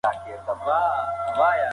ایا انسان یو بشپړ ټولنیز موجود دی؟